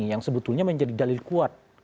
yang sebetulnya menjadi dalil kuat